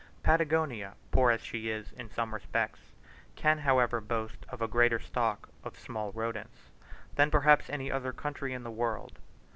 Patagonia, poor as she is in some respects, can however boast of a greater stock of small rodents than perhaps any other country in the world.